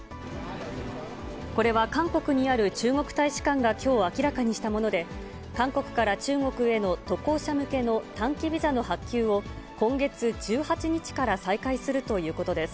これは韓国にある中国大使館がきょう明らかにしたもので、韓国から中国への渡航者向けの短期ビザの発給を、今月１８日から再開するということです。